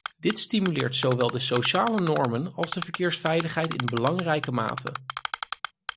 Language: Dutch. Dit stimuleert zowel de sociale normen als de verkeersveiligheid in belangrijke mate.